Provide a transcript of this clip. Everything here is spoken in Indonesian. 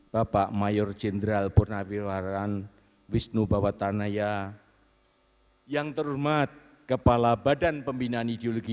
bapak mayor jenderal purnawirawan wisnu bawatanaya yang terhormat kepala badan pembinaan ideologi